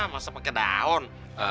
masa pake daun